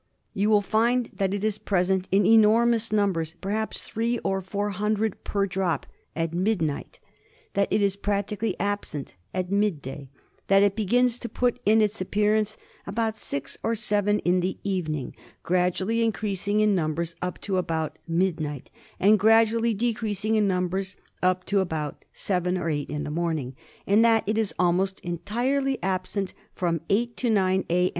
You will find that it is present in enormous numbers — perhaps three or four hundred per drop — at midnight ; that 'i ri FILARIASIS. 71 it is practically absent at midday ; that it begins to put in an appearance about six or seven in the evening, gradually increasing in numbers up to about midnight, and gradu ally decreasing in numbers up to about seven or eight in the morning ; and that it is almost entirely absent from eight or nine a.